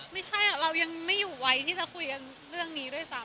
ไม่ใช่เรายังไม่อยู่ไวที่จะคุยกันเรื่องนี้ด้วยซ้ำ